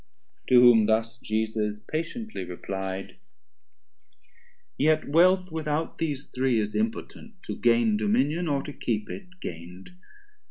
To whom thus Jesus patiently reply'd; Yet Wealth without these three is impotent, To gain dominion or to keep it gain'd.